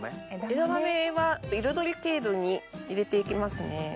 枝豆は彩り程度に入れていきますね。